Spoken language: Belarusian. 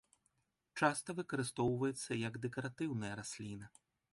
Часта выкарыстоўваецца як дэкаратыўная расліна.